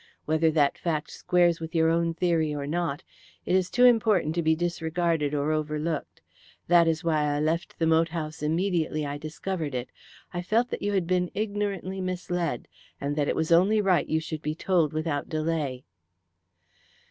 Whether that fact squares with your own theory or not, it is too important to be disregarded or overlooked. That is why I left the moat house immediately I discovered it. I felt that you had been ignorantly misled, and that it was only right you should be told without delay."